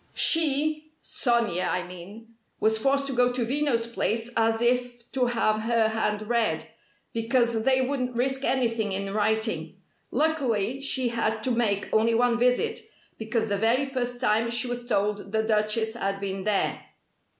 She Sonia, I mean was forced to go to Veno's place as if to have her hand read, because they wouldn't risk anything in writing. Luckily she had to make only one visit, because the very first time she was told the Duchess had been there.